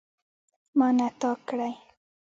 ما نه تا کړی.